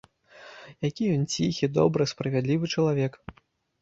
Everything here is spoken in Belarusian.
Які ён ціхі, добры, справядлівы чалавек!